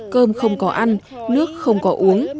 cơm không có ăn nước không có uống